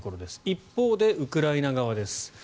一方で、ウクライナ側です。